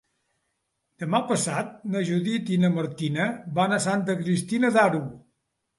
Demà passat na Judit i na Martina van a Santa Cristina d'Aro.